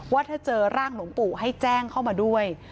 ว่าถ้าเจอร่างหลวงปู่ให้แจ้งเข้ามาด้วย